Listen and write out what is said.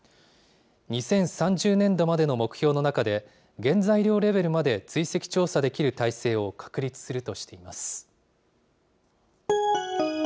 ２０３０年度までの目標の中で、原材料レベルまで追跡調査できる体制を確立するとしています。